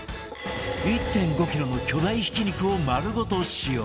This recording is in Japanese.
１．５ キロの巨大ひき肉を丸ごと使用